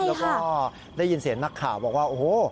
แล้วก็ได้ยินเสียงนักข่าวบอกว่าโอ้โห